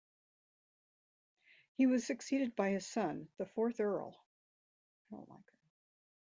He was succeeded by his son, the fourth Earl.